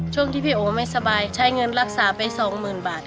ช่วงที่พี่โอไม่สบายใช้เงินรักษาไป๒๐๐๐บาท